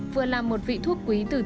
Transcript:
vừa là một vị thuốc quý thường